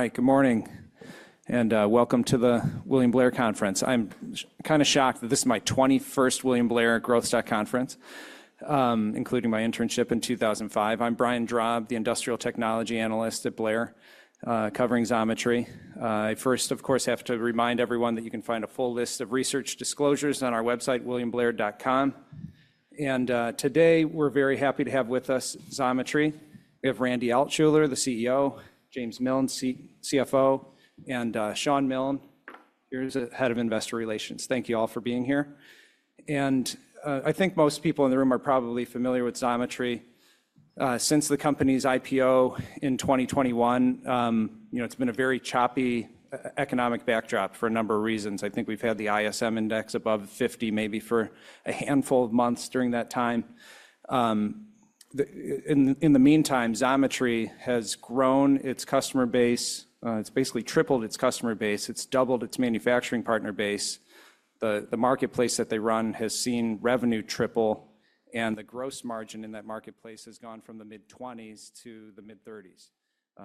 All right, good morning, and welcome to the William Blair Conference. I'm kind of shocked that this is my 21st William Blair Growth Stock Conference, including my internship in 2005. I'm Brian Drab, the Industrial Technology Analyst at William Blair, covering Xometry. I first, of course, have to remind everyone that you can find a full list of research disclosures on our website, williamblair.com. Today, we're very happy to have with us Xometry. We have Randy Altschuler, the CEO, James Miln, CFO, and Shawn Milne, who's the Head of Investor Relations. Thank you all for being here. I think most people in the room are probably familiar with Xometry. Since the company's IPO in 2021, it's been a very choppy economic backdrop for a number of reasons. I think we've had the ISM index above 50, maybe for a handful of months during that time. In the meantime, Xometry has grown its customer base. It's basically tripled its customer base. It's doubled its manufacturing partner base. The marketplace that they run has seen revenue triple, and the gross margin in that marketplace has gone from the mid-20s to the mid-30s,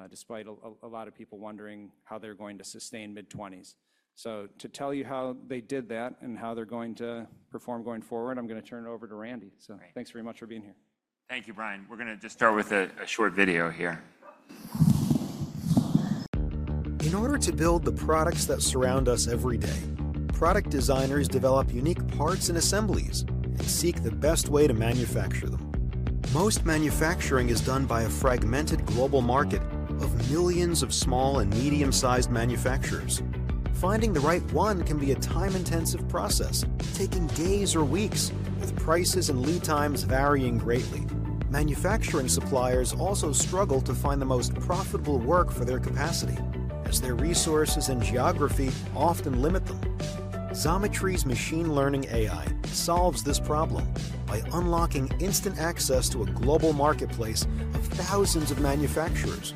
despite a lot of people wondering how they're going to sustain mid-20s. To tell you how they did that and how they're going to perform going forward, I'm going to turn it over to Randy. Thanks very much for being here. Thank you, Brian. We're going to just start with a short video here. In order to build the products that surround us every day, product designers develop unique parts and assemblies and seek the best way to manufacture them. Most manufacturing is done by a fragmented global market of millions of small and medium-sized manufacturers. Finding the right one can be a time-intensive process, taking days or weeks, with prices and lead times varying greatly. Manufacturing suppliers also struggle to find the most profitable work for their capacity, as their resources and geography often limit them. Xometry's machine learning AI solves this problem by unlocking instant access to a global marketplace of thousands of manufacturers.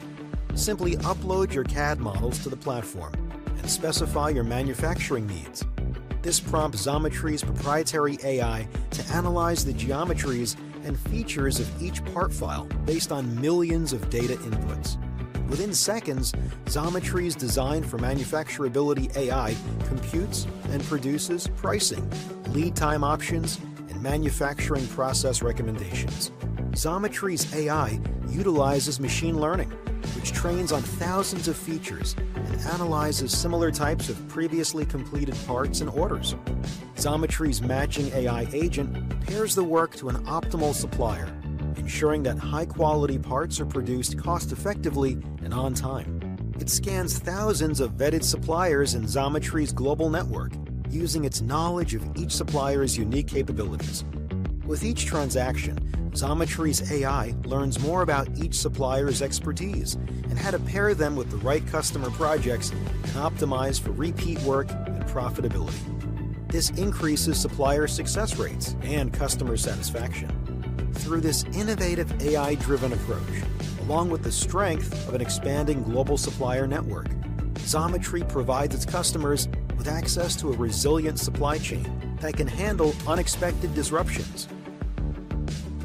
Simply upload your CAD models to the platform and specify your manufacturing needs. This prompts Xometry's proprietary AI to analyze the geometries and features of each part file based on millions of data inputs. Within seconds, Xometry's design for manufacturability AI computes and produces pricing, lead time options, and manufacturing process recommendations. Xometry's AI utilizes machine learning, which trains on thousands of features and analyzes similar types of previously completed parts and orders. Xometry's matching AI agent pairs the work to an optimal supplier, ensuring that high-quality parts are produced cost-effectively and on time. It scans thousands of vetted suppliers in Xometry's global network, using its knowledge of each supplier's unique capabilities. With each transaction, Xometry's AI learns more about each supplier's expertise and how to pair them with the right customer projects and optimize for repeat work and profitability. This increases supplier success rates and customer satisfaction. Through this innovative AI-driven approach, along with the strength of an expanding global supplier network, Xometry provides its customers with access to a resilient supply chain that can handle unexpected disruptions.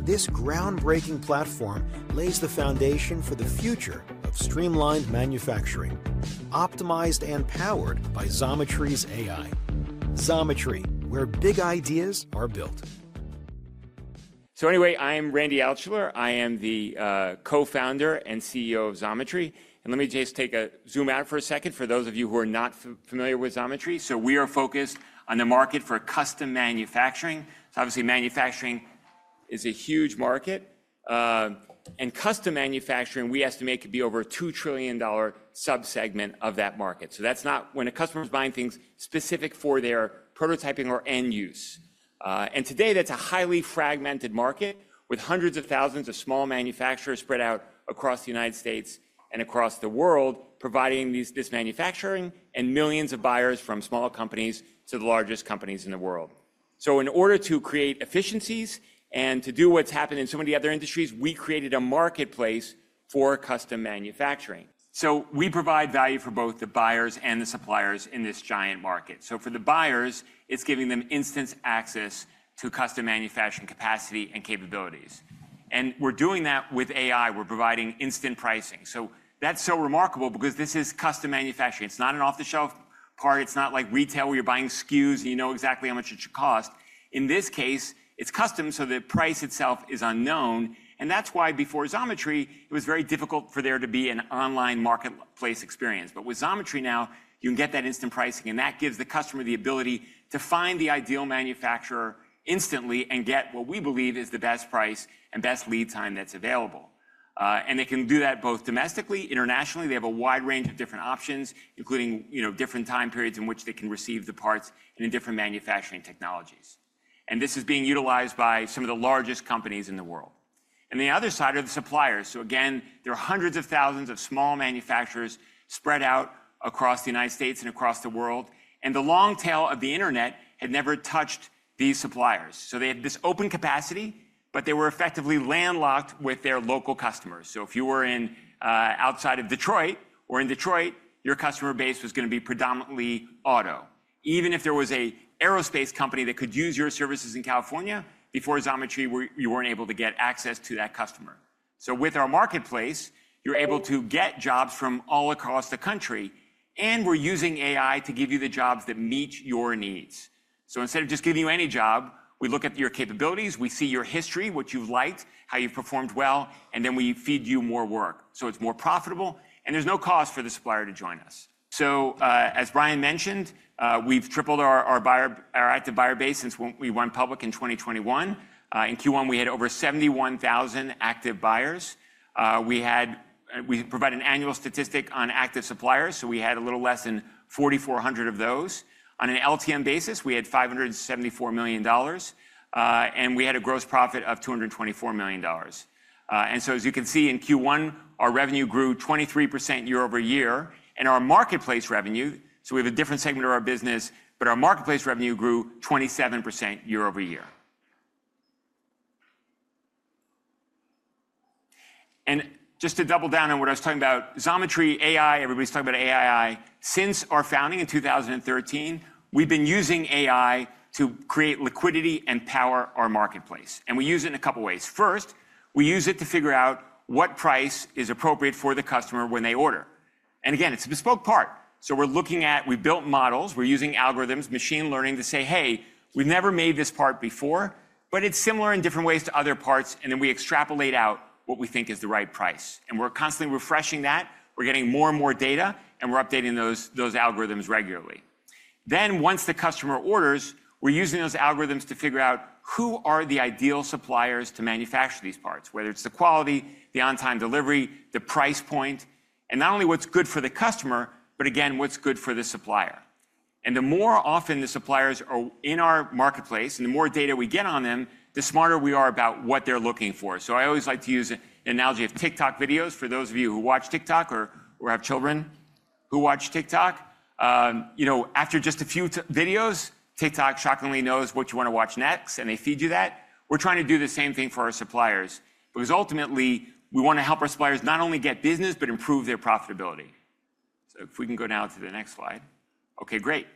This groundbreaking platform lays the foundation for the future of streamlined manufacturing, optimized and powered by Xometry's AI. Xometry, where big ideas are built. Anyway, I'm Randy Altschuler. I am the co-founder and CEO of Xometry. Let me just take a Zoom out for a second for those of you who are not familiar with Xometry. We are focused on the market for custom manufacturing. Obviously, manufacturing is a huge market. Custom manufacturing, we estimate, could be over a $2 trillion subsegment of that market. That is not when a customer is buying things specific for their prototyping or end use. Today, that is a highly fragmented market with hundreds of thousands of small manufacturers spread out across the United States and across the world providing this manufacturing and millions of buyers from small companies to the largest companies in the world. In order to create efficiencies and to do what has happened in so many other industries, we created a marketplace for custom manufacturing. We provide value for both the buyers and the suppliers in this giant market. For the buyers, it's giving them instant access to custom manufacturing capacity and capabilities. We're doing that with AI. We're providing instant pricing. That's so remarkable because this is custom manufacturing. It's not an off-the-shelf part. It's not like retail where you're buying SKUs and you know exactly how much it should cost. In this case, it's custom, so the price itself is unknown. That's why before Xometry, it was very difficult for there to be an online marketplace experience. With Xometry now, you can get that instant pricing, and that gives the customer the ability to find the ideal manufacturer instantly and get what we believe is the best price and best lead time that's available. They can do that both domestically and internationally. They have a wide range of different options, including different time periods in which they can receive the parts and in different manufacturing technologies. This is being utilized by some of the largest companies in the world. The other side are the suppliers. Again, there are hundreds of thousands of small manufacturers spread out across the United States and across the world. The long tail of the internet had never touched these suppliers. They had this open capacity, but they were effectively landlocked with their local customers. If you were outside of Detroit or in Detroit, your customer base was going to be predominantly auto. Even if there was an aerospace company that could use your services in California, before Xometry, you were not able to get access to that customer. With our marketplace, you're able to get jobs from all across the country, and we're using AI to give you the jobs that meet your needs. Instead of just giving you any job, we look at your capabilities, we see your history, what you've liked, how you've performed well, and then we feed you more work. It's more profitable, and there's no cost for the supplier to join us. As Brian mentioned, we've tripled our active buyer base since we went public in 2021. In Q1, we had over 71,000 active buyers. We provide an annual statistic on active suppliers, so we had a little less than 4,400 of those. On an LTM basis, we had $574 million, and we had a gross profit of $224 million. As you can see, in Q1, our revenue grew 23% year-over-year, and our marketplace revenue—so we have a different segment of our business—but our marketplace revenue grew 27% year-over-year. Just to double down on what I was talking about, Xometry, AI—everybody's talking about AI—since our founding in 2013, we've been using AI to create liquidity and power our marketplace. We use it in a couple of ways. First, we use it to figure out what price is appropriate for the customer when they order. Again, it's a bespoke part. We're looking at—we've built models. We're using algorithms, machine learning to say, "Hey, we've never made this part before, but it's similar in different ways to other parts," and then we extrapolate out what we think is the right price. We're constantly refreshing that. We're getting more and more data, and we're updating those algorithms regularly. Once the customer orders, we're using those algorithms to figure out who are the ideal suppliers to manufacture these parts, whether it's the quality, the on-time delivery, the price point, and not only what's good for the customer, but again, what's good for the supplier. The more often the suppliers are in our marketplace and the more data we get on them, the smarter we are about what they're looking for. I always like to use the analogy of TikTok videos. For those of you who watch TikTok or have children who watch TikTok, after just a few videos, TikTok shockingly knows what you want to watch next, and they feed you that. We're trying to do the same thing for our suppliers because ultimately, we want to help our suppliers not only get business but improve their profitability. If we can go now to the next slide. Okay, great.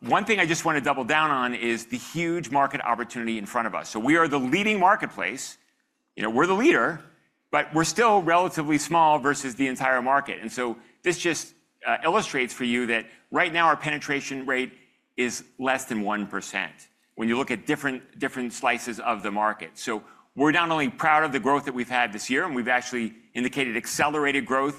One thing I just want to double down on is the huge market opportunity in front of us. We are the leading marketplace. We're the leader, but we're still relatively small versus the entire market. This just illustrates for you that right now, our penetration rate is less than 1% when you look at different slices of the market. We're not only proud of the growth that we've had this year, and we've actually indicated accelerated growth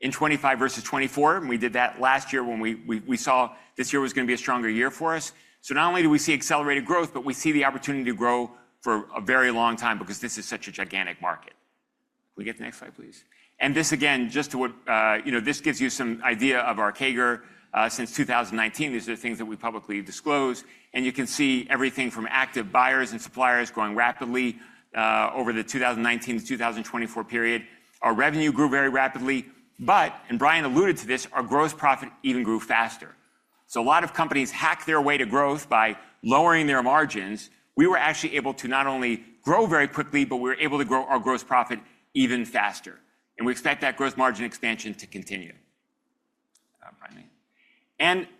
in 2025 versus 2024. We did that last year when we saw this year was going to be a stronger year for us. Not only do we see accelerated growth, but we see the opportunity to grow for a very long time because this is such a gigantic market. Can we get the next slide, please? This again, just to what this gives you some idea of our CAGR since 2019. These are the things that we publicly disclose. You can see everything from active buyers and suppliers growing rapidly over the 2019 to 2024 period. Our revenue grew very rapidly, but, and Brian alluded to this, our gross profit even grew faster. A lot of companies hack their way to growth by lowering their margins. We were actually able to not only grow very quickly, but we were able to grow our gross profit even faster. We expect that gross margin expansion to continue.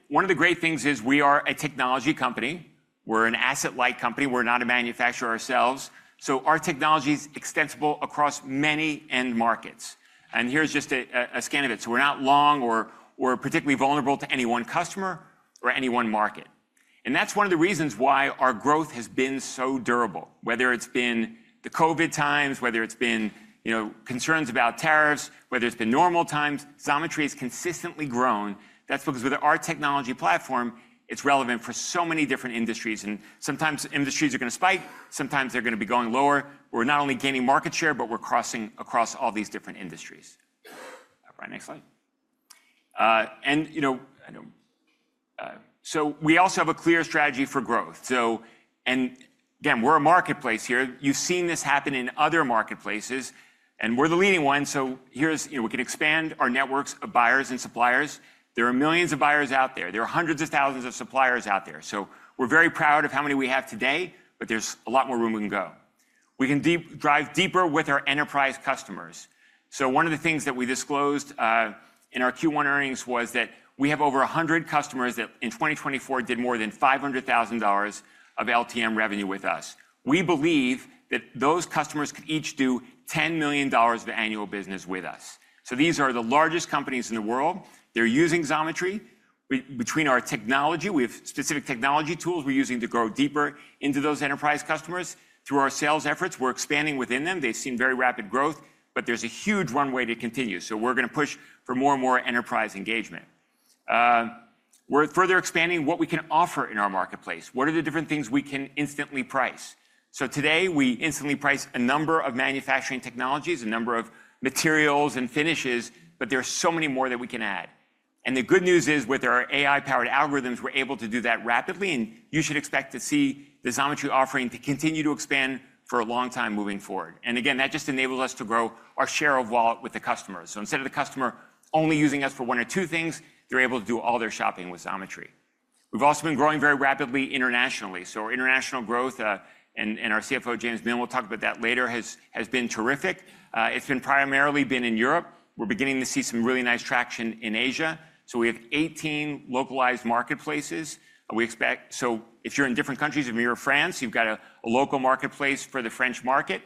One of the great things is we are a technology company. We're an asset-like company. We're not a manufacturer ourselves. Our technology is extensible across many end markets. Here's just a scan of it. We're not long or particularly vulnerable to any one customer or any one market. That's one of the reasons why our growth has been so durable. Whether it's been the COVID times, whether it's been concerns about tariffs, whether it's been normal times, Xometry has consistently grown. That's because with our technology platform, it's relevant for so many different industries. Sometimes industries are going to spike. Sometimes they're going to be going lower. We're not only gaining market share, but we're crossing across all these different industries. All right, next slide. We also have a clear strategy for growth. Again, we're a marketplace here. You've seen this happen in other marketplaces, and we're the leading one. Here's how we can expand our networks of buyers and suppliers. There are millions of buyers out there. There are hundreds of thousands of suppliers out there. We're very proud of how many we have today, but there's a lot more room we can go. We can drive deeper with our enterprise customers. One of the things that we disclosed in our Q1 earnings was that we have over 100 customers that in 2024 did more than $500,000 of LTM revenue with us. We believe that those customers could each do $10 million of annual business with us. These are the largest companies in the world. They're using Xometry. Between our technology, we have specific technology tools we're using to grow deeper into those enterprise customers. Through our sales efforts, we're expanding within them. They've seen very rapid growth, but there's a huge runway to continue. We're going to push for more and more enterprise engagement. We're further expanding what we can offer in our marketplace. What are the different things we can instantly price? Today, we instantly price a number of manufacturing technologies, a number of materials and finishes, but there are so many more that we can add. The good news is with our AI-powered algorithms, we're able to do that rapidly, and you should expect to see the Xometry offering continue to expand for a long time moving forward. That just enables us to grow our share of wallet with the customers. Instead of the customer only using us for one or two things, they're able to do all their shopping with Xometry. We've also been growing very rapidly internationally. Our international growth, and our CFO, James Miln, will talk about that later, has been terrific. It's primarily been in Europe. We're beginning to see some really nice traction in Asia. We have 18 localized marketplaces. If you're in different countries, if you're in France, you've got a local marketplace for the French market.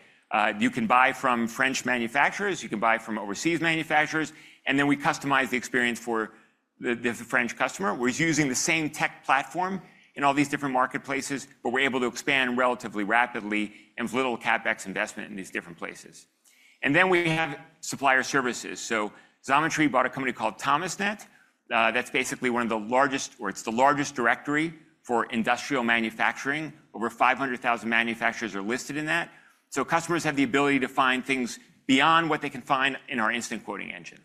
You can buy from French manufacturers. You can buy from overseas manufacturers. We customize the experience for the French customer. We're using the same tech platform in all these different marketplaces, but we're able to expand relatively rapidly and with little CapEx investment in these different places. We have supplier services. Xometry bought a company called Thomasnet. That's basically one of the largest, or it's the largest directory for industrial manufacturing. Over 500,000 manufacturers are listed in that. Customers have the ability to find things beyond what they can find in our instant quoting engine.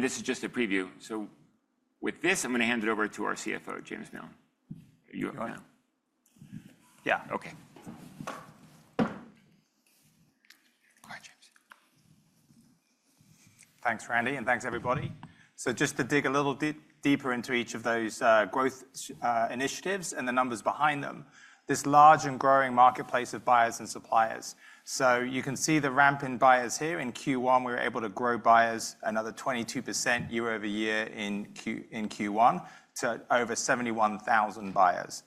This is just a preview. With this, I am going to hand it over to our CFO, James Miln. You are going now. Yeah. Okay. All right, James. Thanks, Randy, and thanks, everybody. Just to dig a little deeper into each of those growth initiatives and the numbers behind them, this large and growing marketplace of buyers and suppliers. You can see the ramp in buyers here. In Q1, we were able to grow buyers another 22% year-over-year in Q1 to over 71,000 buyers.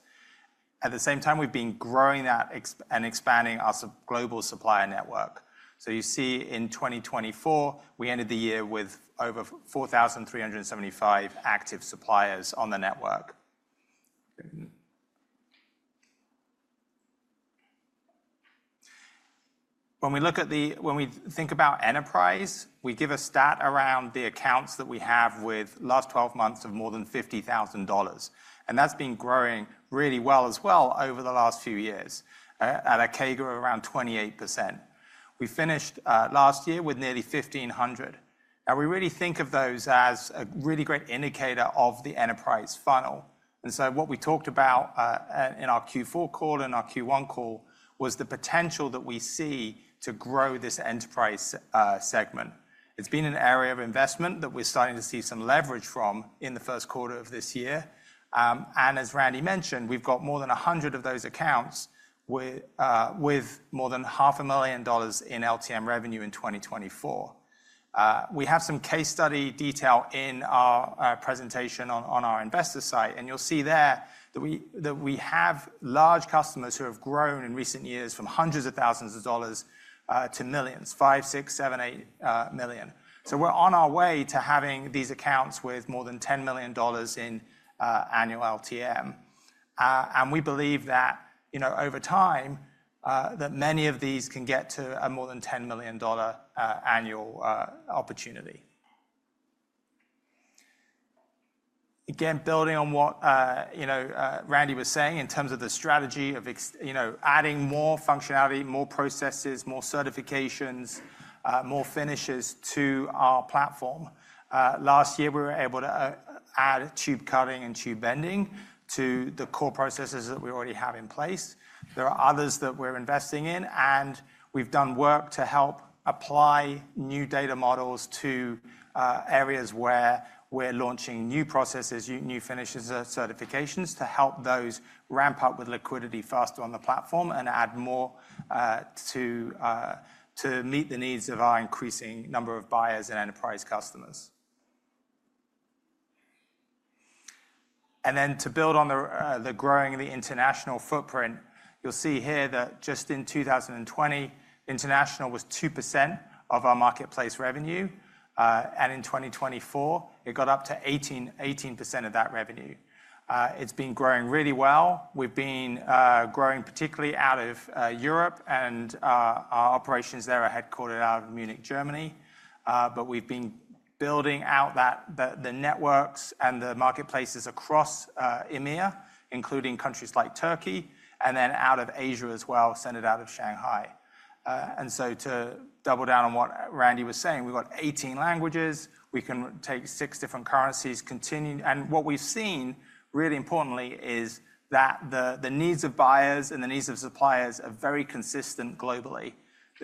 At the same time, we've been growing that and expanding our global supplier network. You see in 2024, we ended the year with over 4,375 active suppliers on the network. When we think about enterprise, we give a stat around the accounts that we have with last 12 months of more than $50,000. That's been growing really well as well over the last few years at a CAGR of around 28%. We finished last year with nearly 1,500. Now, we really think of those as a really great indicator of the enterprise funnel. What we talked about in our Q4 call and our Q1 call was the potential that we see to grow this enterprise segment. It's been an area of investment that we're starting to see some leverage from in the first quarter of this year. As Randy mentioned, we've got more than 100 of those accounts with more than $500,000 in LTM revenue in 2024. We have some case study detail in our presentation on our investor site. You'll see there that we have large customers who have grown in recent years from hundreds of thousands of dollars to millions, five, six, seven, eight million. We're on our way to having these accounts with more than $10 million in annual LTM. We believe that over time, many of these can get to a more than $10 million annual opportunity. Again, building on what Randy was saying in terms of the strategy of adding more functionality, more processes, more certifications, more finishes to our platform. Last year, we were able to add tube cutting and tube bending to the core processes that we already have in place. There are others that we are investing in, and we have done work to help apply new data models to areas where we are launching new processes, new finishes, certifications to help those ramp up with liquidity faster on the platform and add more to meet the needs of our increasing number of buyers and enterprise customers. To build on the growing of the international footprint, you will see here that just in 2020, international was 2% of our marketplace revenue. In 2024, it got up to 18% of that revenue. It's been growing really well. We've been growing particularly out of Europe, and our operations there are headquartered out of Munich, Germany. We've been building out the networks and the marketplaces across EMEA, including countries like Turkey, and then out of Asia as well, centered out of Shanghai. To double down on what Randy was saying, we've got 18 languages. We can take six different currencies. What we've seen, really importantly, is that the needs of buyers and the needs of suppliers are very consistent globally.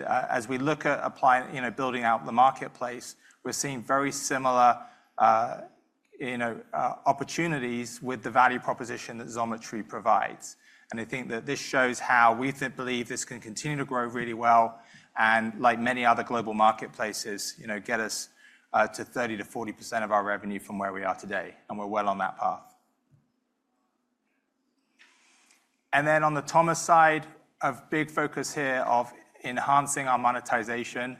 As we look at building out the marketplace, we're seeing very similar opportunities with the value proposition that Xometry provides. I think that this shows how we believe this can continue to grow really well and, like many other global marketplaces, get us to 30%-40% of our revenue from where we are today. We're well on that path. On the Thomas side, a big focus here is enhancing our monetization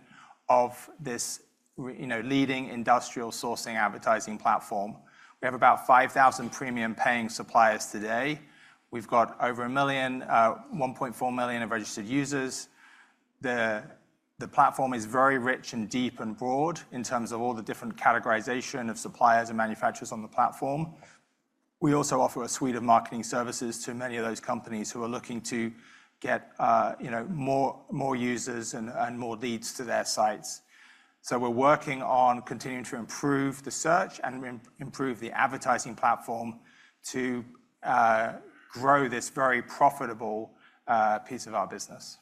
of this leading industrial sourcing advertising platform. We have about 5,000 premium-paying suppliers today. We've got over 1.4 million registered users. The platform is very rich and deep and broad in terms of all the different categorization of suppliers and manufacturers on the platform. We also offer a suite of marketing services to many of those companies who are looking to get more users and more leads to their sites. We're working on continuing to improve the search and improve the advertising platform to grow this very profitable piece of our business.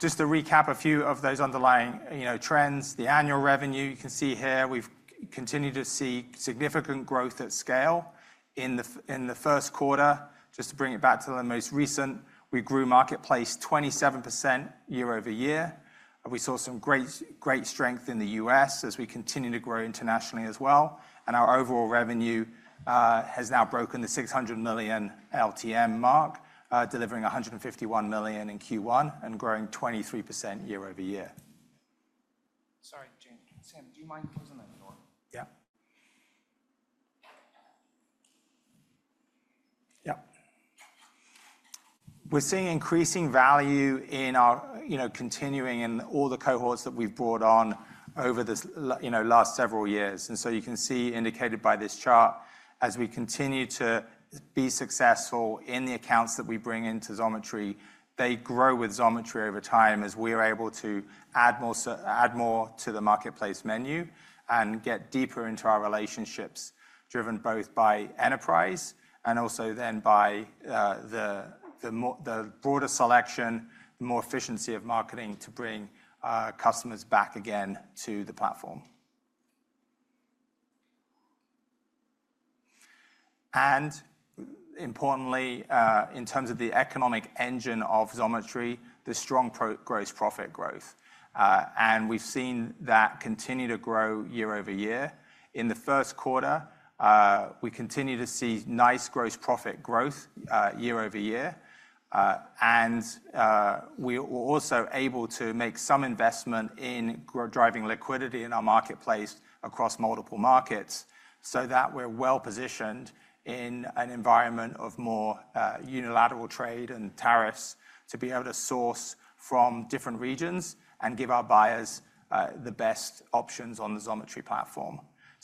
Just to recap a few of those underlying trends, the annual revenue, you can see here we've continued to see significant growth at scale in the first quarter. Just to bring it back to the most recent, we grew marketplace 27% year-over-year. We saw some great strength in the U.S. as we continue to grow internationally as well. Our overall revenue has now broken the $600 million LTM mark, delivering $151 million in Q1 and growing 23% year-over-year. Sorry, James. Sam, do you mind closing that door? We're seeing increasing value in our continuing in all the cohorts that we've brought on over the last several years. You can see indicated by this chart, as we continue to be successful in the accounts that we bring into Xometry, they grow with Xometry over time as we are able to add more to the marketplace menu and get deeper into our relationships driven both by enterprise and also then by the broader selection, more efficiency of marketing to bring customers back again to the platform. Importantly, in terms of the economic engine of Xometry, the strong gross profit growth. We've seen that continue to grow year-over-year. In the first quarter, we continue to see nice gross profit growth year-over-year. We were also able to make some investment in driving liquidity in our marketplace across multiple markets so that we're well positioned in an environment of more unilateral trade and tariffs to be able to source from different regions and give our buyers the best options on the Xometry platform.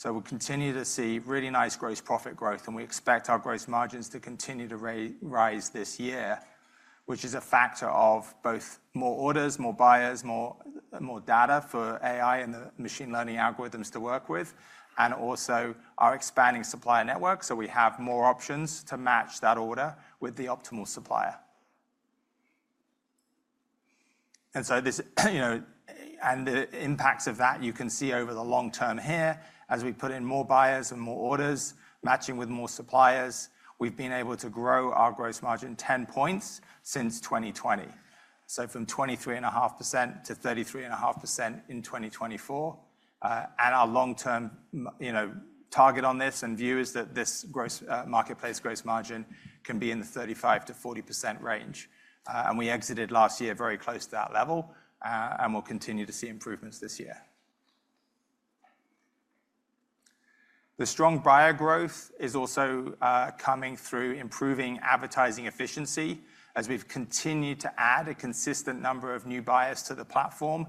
We continue to see really nice gross profit growth, and we expect our gross margins to continue to rise this year, which is a factor of both more orders, more buyers, more data for AI and the machine learning algorithms to work with, and also our expanding supplier network so we have more options to match that order with the optimal supplier. The impacts of that you can see over the long term here as we put in more buyers and more orders matching with more suppliers, we've been able to grow our gross margin 10 percentage points since 2020. From 23.5% to 33.5% in 2024. Our long-term target on this and view is that this marketplace gross margin can be in the 35%-40% range. We exited last year very close to that level, and we'll continue to see improvements this year. The strong buyer growth is also coming through improving advertising efficiency as we've continued to add a consistent number of new buyers to the platform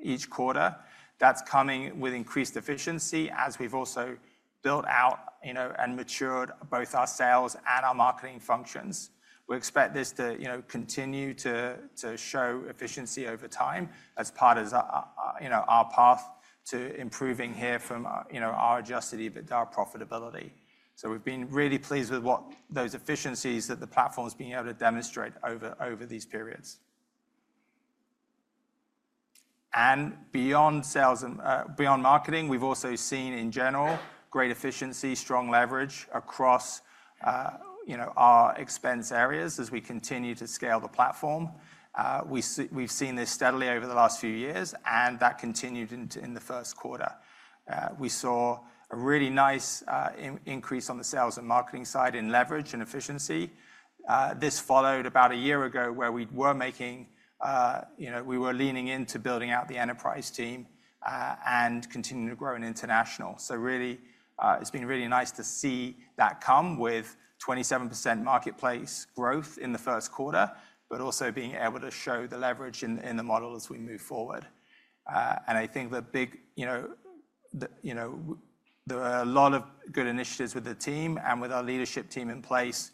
each quarter. That's coming with increased efficiency as we've also built out and matured both our sales and our marketing functions. We expect this to continue to show efficiency over time as part of our path to improving here from our adjusted EBITDA profitability. We have been really pleased with what those efficiencies that the platform's been able to demonstrate over these periods. Beyond marketing, we have also seen in general great efficiency, strong leverage across our expense areas as we continue to scale the platform. We have seen this steadily over the last few years, and that continued in the first quarter. We saw a really nice increase on the sales and marketing side in leverage and efficiency. This followed about a year ago where we were leaning into building out the enterprise team and continuing to grow in international. It's been really nice to see that come with 27% marketplace growth in the first quarter, but also being able to show the leverage in the model as we move forward. I think there are a lot of good initiatives with the team and with our leadership team in place,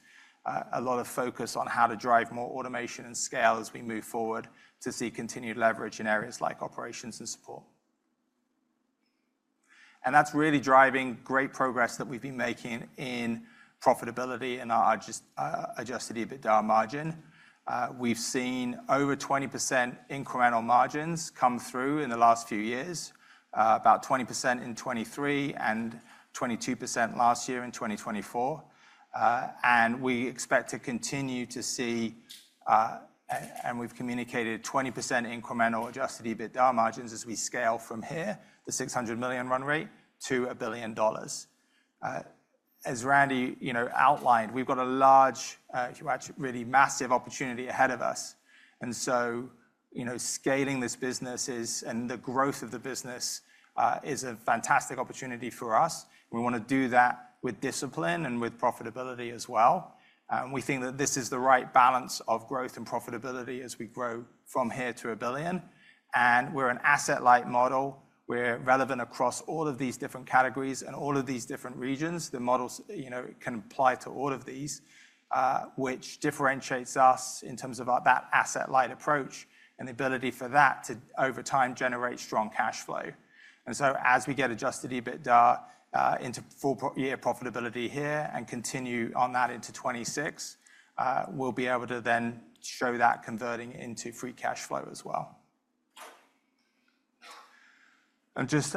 a lot of focus on how to drive more automation and scale as we move forward to see continued leverage in areas like operations and support. That's really driving great progress that we've been making in profitability and our adjusted EBITDA margin. We've seen over 20% incremental margins come through in the last few years, about 20% in 2023 and 22% last year in 2024. We expect to continue to see, and we've communicated, 20% incremental adjusted EBITDA margins as we scale from here, the $600 million run rate, to $1 billion. As Randy outlined, we've got a large, actually really massive opportunity ahead of us. Scaling this business and the growth of the business is a fantastic opportunity for us. We want to do that with discipline and with profitability as well. We think that this is the right balance of growth and profitability as we grow from here to a billion. We're an asset-light model. We're relevant across all of these different categories and all of these different regions. The model can apply to all of these, which differentiates us in terms of that asset-light approach and the ability for that to over time generate strong cash flow. As we get adjusted EBITDA into full-year profitability here and continue on that into 2026, we'll be able to then show that converting into free cash flow as well.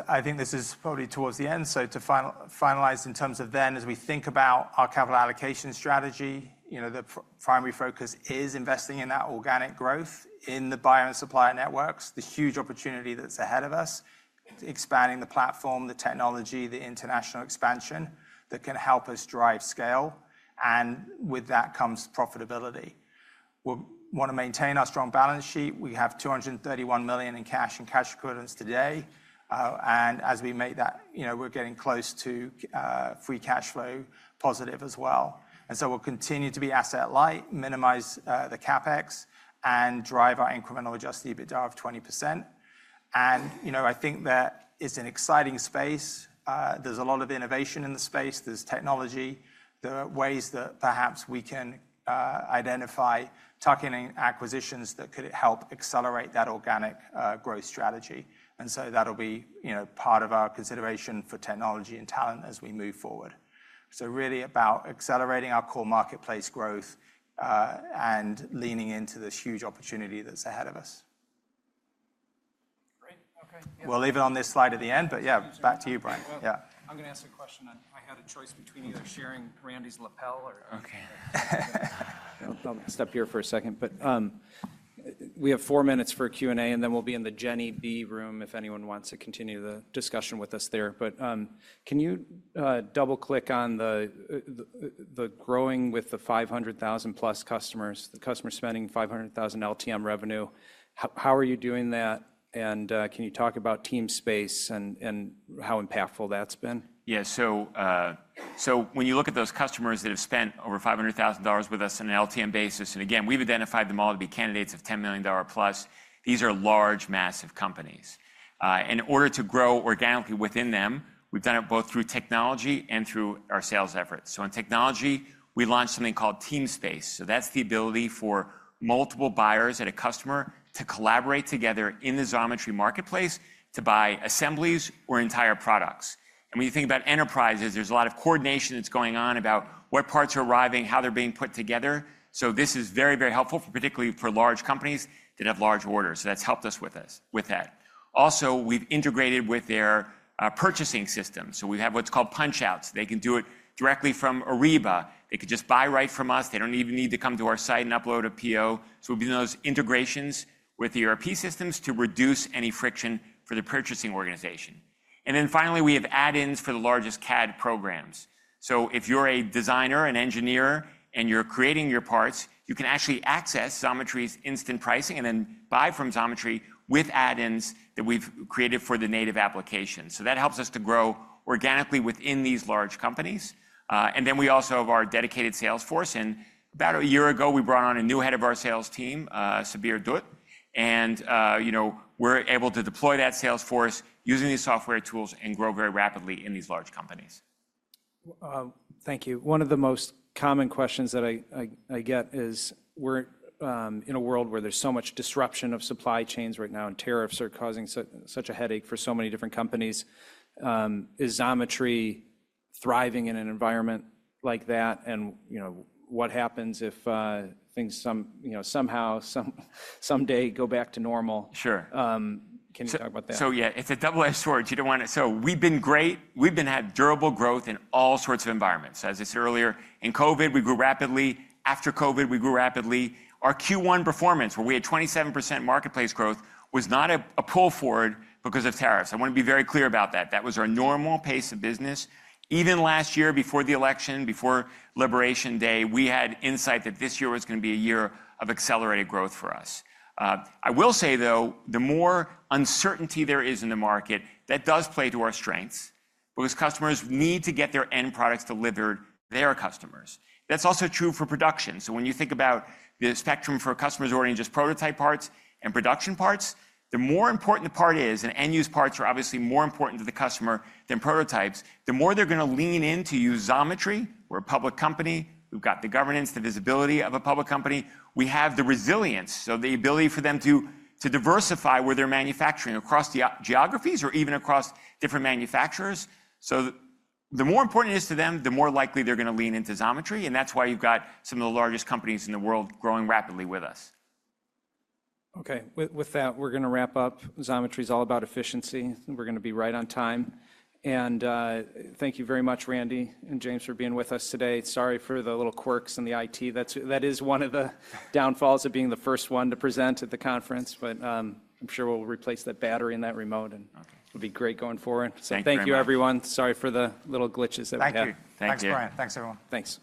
I think this is probably towards the end. To finalize in terms of then as we think about our capital allocation strategy, the primary focus is investing in that organic growth in the buyer and supplier networks, the huge opportunity that's ahead of us, expanding the platform, the technology, the international expansion that can help us drive scale. With that comes profitability. We want to maintain our strong balance sheet. We have $231 million in cash and cash equivalents today. As we make that, we're getting close to free cash flow positive as well. We'll continue to be asset-light, minimize the CapEx, and drive our incremental adjusted EBITDA of 20%. I think that it's an exciting space. There's a lot of innovation in the space. There's technology. There are ways that perhaps we can identify tuck-in acquisitions that could help accelerate that organic growth strategy. That'll be part of our consideration for technology and talent as we move forward. It is really about accelerating our core marketplace growth and leaning into this huge opportunity that's ahead of us. We'll leave it on this slide at the end, but yeah, back to you, Brian. Yeah. I'm going to ask a question. I had a choice between either sharing Randy's lapel or. Okay. I'll step here for a second, but we have four minutes for Q&A, and then we'll be in the Jenny B room if anyone wants to continue the discussion with us there. Can you double-click on the growing with the 500,000-plus customers, the customer spending $500,000 LTM revenue? How are you doing that? Can you talk about Teamspace and how impactful that's been? Yeah. So when you look at those customers that have spent over $500,000 with us on an LTM basis, and again, we've identified them all to be candidates of $10 million+, these are large, massive companies. In order to grow organically within them, we've done it both through technology and through our sales efforts. In technology, we launched something called Teamspace. That's the ability for multiple buyers at a customer to collaborate together in the Xometry marketplace to buy assemblies or entire products. When you think about enterprises, there's a lot of coordination that's going on about what parts are arriving, how they're being put together. This is very, very helpful, particularly for large companies that have large orders. That's helped us with that. Also, we've integrated with their purchasing system. We have what's called punchouts. They can do it directly from Ariba. They could just buy right from us. They do not even need to come to our site and upload a PO. We have done those integrations with the ERP systems to reduce any friction for the purchasing organization. Finally, we have add-ins for the largest CAD programs. If you are a designer, an engineer, and you are creating your parts, you can actually access Xometry's instant pricing and then buy from Xometry with add-ins that we have created for the native application. That helps us to grow organically within these large companies. We also have our dedicated sales force. About a year ago, we brought on a new head of our sales team, Subir Dutt. We are able to deploy that sales force using these software tools and grow very rapidly in these large companies. Thank you. One of the most common questions that I get is we're in a world where there's so much disruption of supply chains right now, and tariffs are causing such a headache for so many different companies. Is Xometry thriving in an environment like that? What happens if things somehow, someday go back to normal? Sure. Can you talk about that? Yeah, it's a double-edged sword. We've been great. We've had durable growth in all sorts of environments. As I said earlier, in COVID, we grew rapidly. After COVID, we grew rapidly. Our Q1 performance, where we had 27% marketplace growth, was not a pull forward because of tariffs. I want to be very clear about that. That was our normal pace of business. Even last year before the election, before Liberation Day, we had insight that this year was going to be a year of accelerated growth for us. I will say, though, the more uncertainty there is in the market, that does play to our strengths because customers need to get their end products delivered to their customers. That's also true for production. When you think about the spectrum for customers ordering just prototype parts and production parts, the more important the part is, and end-use parts are obviously more important to the customer than prototypes, the more they're going to lean in to use Xometry. We're a public company. We've got the governance, the visibility of a public company. We have the resilience, the ability for them to diversify where they're manufacturing across geographies or even across different manufacturers. The more important it is to them, the more likely they're going to lean into Xometry. That's why you've got some of the largest companies in the world growing rapidly with us. Okay. With that, we're going to wrap up. Xometry is all about efficiency. We're going to be right on time. Thank you very much, Randy and James, for being with us today. Sorry for the little quirks in the IT. That is one of the downfalls of being the first one to present at the conference, but I'm sure we'll replace that battery in that remote, and it'll be great going forward. Thank you, everyone. Sorry for the little glitches that we had. Thank you. Thanks, Brian. Thanks, everyone. Thanks.